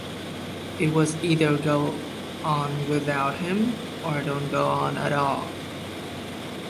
It was either go on without him, or don't go on at all.